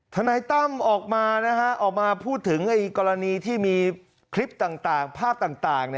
ทนายตั้มออกมาออกมาพูดถึงกรณีที่มีคลิปต่างภาพต่าง